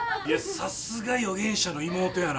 さすが予言者の妹やな。